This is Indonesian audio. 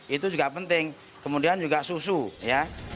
itu juga penting kemudian juga susu ya